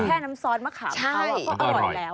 แค่น้ำซอสมะขาบเขาก็อร่อยแล้ว